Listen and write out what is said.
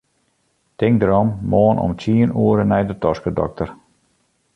Tink derom, moarn om tsien oere nei de toskedokter.